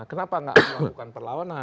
kenapa tidak melakukan perlawanan